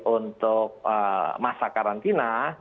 untuk masa karantina